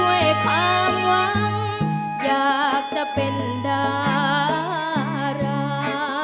ด้วยความหวังอยากจะเป็นดารา